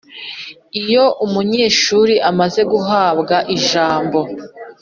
. Iyo umunyeshuri amaze guhabwa ijambo